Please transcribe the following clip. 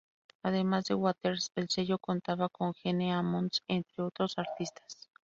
Además de Waters, el sello contaba con Gene Ammons, entre otros artistas.